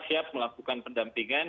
siap melakukan pendampingan